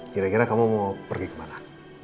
kira kira kamu mau pergi kemana